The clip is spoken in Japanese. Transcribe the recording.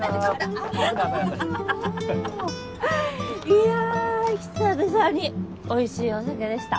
いやぁ久々に美味しいお酒でした。